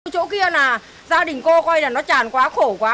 chỗ kia là gia đình cô coi là nó tràn quá khổ quá